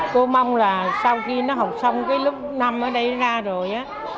cô mong là sau khi học xong lớp năm ở đây ra rồi